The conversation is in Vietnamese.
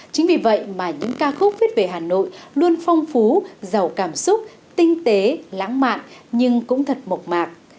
chính vì vậy mà những ca khúc viết về hà nội luôn phong phú giàu cảm xúc tinh tế lãng mạn nhưng cũng thật mộc mạc